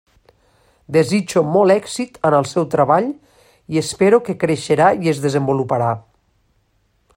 Desitjo molt èxit en el seu treball i espero que creixerà i es desenvoluparà.